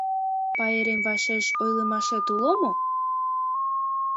— Пайрем вашеш ойлымашет уло мо?